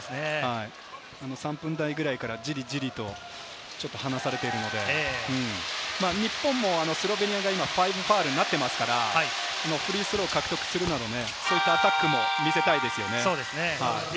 ３分台ぐらいから、じりじりと離されているので、日本も、スロベニアが５ファウルになっていますからフリースローを獲得するなど、アタックも見せたいですよね。